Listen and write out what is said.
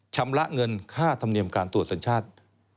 ชำระเงินค่าธรรมเนียมการตรวจสัญชาติ